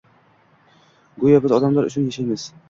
Go‘yo biz odamlar uchun yashaymiz.